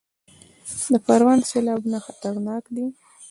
د پروان سیلابونه خطرناک دي